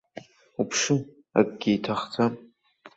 Уԥшы, акгьы иҭахӡам.